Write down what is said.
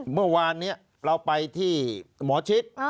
เมื่อวานนี้เราไปที่หมอชิด